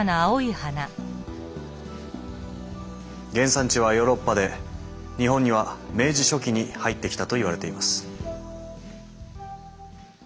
原産地はヨーロッパで日本には明治初期に入ってきたといわれています。